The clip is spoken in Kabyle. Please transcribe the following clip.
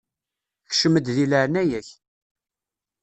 Kcem-d di leɛnaya-k.